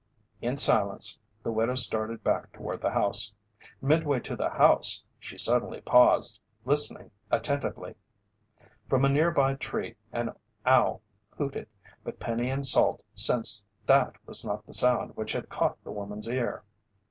In silence the widow started back toward the house. Midway to the house, she suddenly paused, listening attentively. From a nearby tree an owl hooted, but Penny and Salt sensed that was not the sound which had caught the woman's ear.